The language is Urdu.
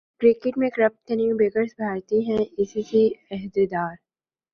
کرکٹ میں کرپٹ ترین بکیز بھارتی ہیں ائی سی سی عہدیدار